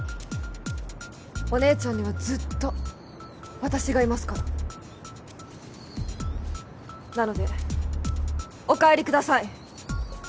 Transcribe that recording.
お姉ちゃんにはずっと私がいますからなのでお帰りください